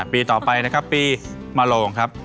ปีต่อไปนะครับปีมะโลงครับ